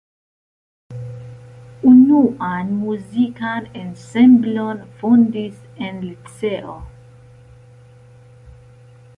Unuan muzikan ensemblon fondis en liceo.